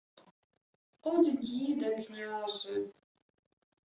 — Од діда, княже.